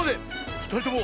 ふたりとも